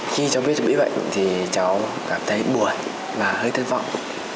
khi cháu biết mình bị bệnh thì cháu cảm thấy buồn và hơi thất vọng